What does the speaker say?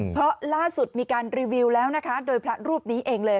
เพราะล่าสุดมีการรีวิวแล้วนะคะโดยพระรูปนี้เองเลย